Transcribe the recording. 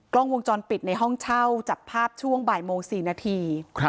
กล้องวงจรปิดในห้องเช่าจับภาพช่วงบ่ายโมง๔นาที